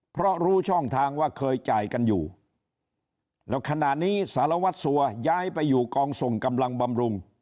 เพราะรู้ช่องทางว่าเคยจ่ายกันอยู่แล้วขณะนี้สารวัตรสัวย้ายไปอยู่กองส่งกำลังบำรุง